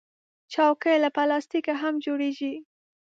چوکۍ له پلاستیکه هم جوړیږي.